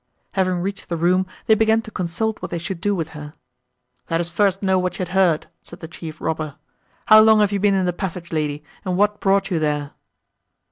Having reached the room, they began to consult what they should do with her. "Let us first know what she had heard," said the chief robber. "How long have you been in the passage, lady, and what brought you there?"